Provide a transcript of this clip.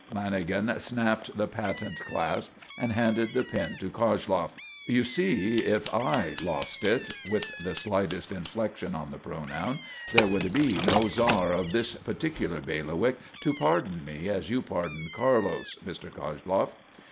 Lanagan snapped the patent clasp and handed the pin to Koshloff. "You see, if I lost it," with the slightest inflection on the pronoun, "there would be no Czar of this 'particular bailiwick' to pardon me as you pardoned Carlos, Mr. Koshloff."